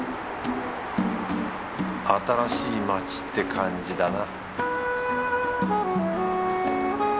新しい街って感じだな